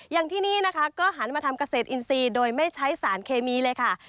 อย่างที่นี่นะคะก็หันมาทำเกษตรอินทรีย์โดยไม่ใช้สารเคมีเลยค่ะ